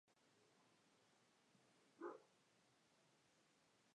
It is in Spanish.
Vilariño nació y se crio en Godoy Cruz.